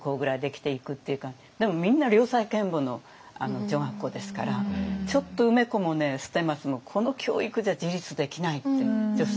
でもみんな良妻賢母の女学校ですからちょっと梅子も捨松もこの教育じゃ自立できないって女性が。